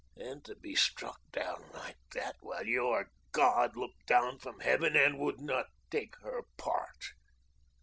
And to be struck down like that, while your God looked down from Heaven and would not take her part."